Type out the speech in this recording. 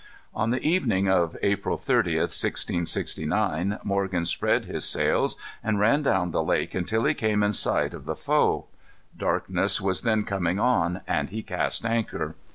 On the evening of April 30th, 1669, Morgan spread his sails, and ran down the lake until he came in sight of the foe. Darkness was then coming on and he cast anchor.